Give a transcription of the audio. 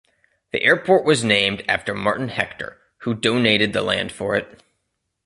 The airport was named after Martin Hector, who donated the land for it.